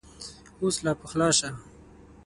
اوس لا پخلا شه !